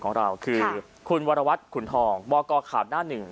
ของเราคือคุณวรวัตรขุนทองบกข่าวหน้าหนึ่ง